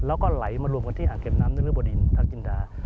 แล้วก็ไหลมารวมกันที่อ่างเก็บน้ำนรบดินพระจินดา